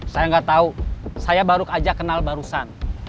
saya nggak tahu saya baru saja kenal barusan